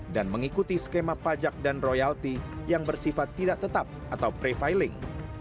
dan mengikuti skema pajak dan royalti yang bersifat tidak tetap atau prefiling